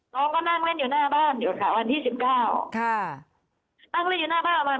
น้องก็นั่งเล่นอยู่หน้าบ้านเดี๋ยวค่ะวันที่๑๙ตั้งเล่นอยู่หน้าบ้านประมาณ๖๖